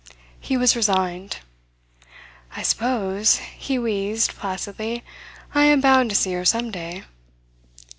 He was resigned. "I suppose," he wheezed placidly, "I am bound to see her some day."